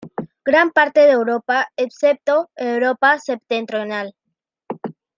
Gran parte de Europa, excepto Europa septentrional.